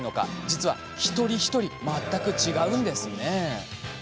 実は一人一人、全く違うんです。